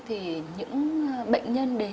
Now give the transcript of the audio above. thì những bệnh nhân đến